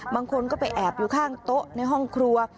บางคนก็ไปแอบอยู่ข้างโต๊ะในห้องครัว